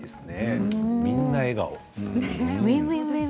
みんなが笑顔。